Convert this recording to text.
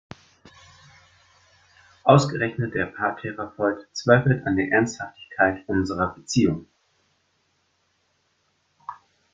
Ausgerechnet der Paartherapeut zweifelt an der Ernsthaftigkeit unserer Beziehung!